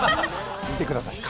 見てください